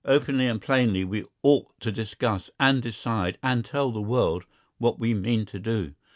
Openly and plainly we ought to discuss and decide and tell the world what we mean to do.